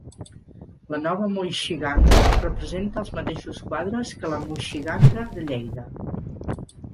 La Nova Moixiganga representa els mateixos quadres que la moixiganga de Lleida.